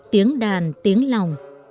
tiếng đàn tiếng lòng